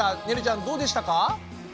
ねるちゃんどうでしたか？